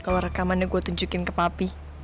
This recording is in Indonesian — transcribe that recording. kalau rekamannya gue tunjukin ke papi